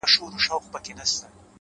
زما په ژوند کي د وختونو د بلا ياري ده،